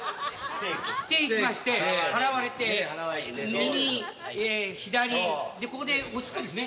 斬っていきまして払われて右左でここでおしっこですね。